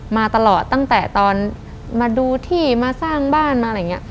มาตลอดตั้งแต่ตอนมาดูที่มาสร้างบ้านมาอะไรอย่างนี้